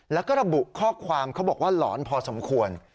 แล้วก็ระบุข้อความเขาบอกว่าหลอนพอสมควร